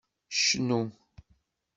Cnu!